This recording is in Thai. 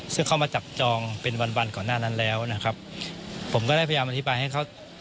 ซึ่งเข้ามาจับจองเป็นวันวันก่อนหน้านั้นแล้วนะครับผมก็ได้พยายามอธิบายให้เขา